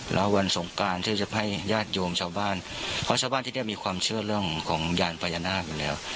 แล้ววันสงการที่จะให้ญาติโยมชาวบ้านเพราะชาวบ้านที่นี่มีความเชื่อเรื่องของยานพญานาคอยู่แล้ว